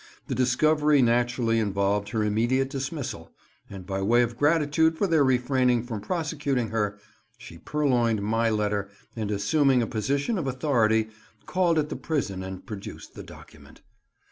The discovery naturally involved her immediate dismissal, and by way of gratitude for their refraining from prosecuting her, she purloined my letter, and assuming a position of authority, called at the prison and produced the document.